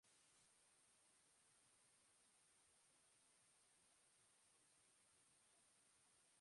Gainera, istorio hau Termopiletako guduaren eragin handia izan zuen.